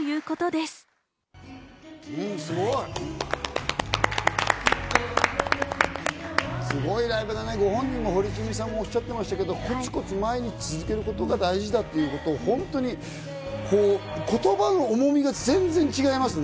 すごい！ご本人も堀ちえみさんもおっしゃってましたけど、コツコツ毎日続けることが大事だっていうこと、言葉の重みが全然違いますね。